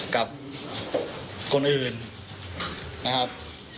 กับคนอื่นนะครับ